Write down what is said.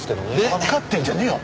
わかってんじゃねえよ！